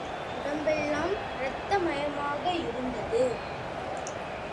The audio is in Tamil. உடம்பெல்லாம் இரத்தமயமாக இருந்தது.